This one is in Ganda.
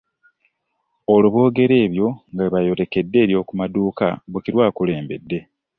Olwo boogera ebyo nga bwe bayolekedde eryo ku maduuka Bukirwa akulembedde.